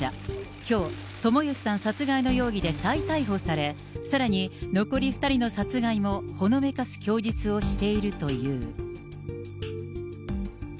きょう、友義さん殺害の容疑で再逮捕され、さらに、残り２人の殺害もほのめかす供述をしているという。